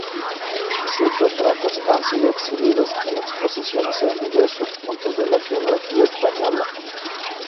Sus retratos han sido exhibidos en exposiciones en diversos puntos de la geografía española.